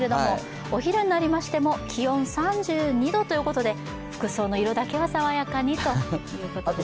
お昼になりましても、気温３２度ということで、服装の色だけでも爽やかにということですが。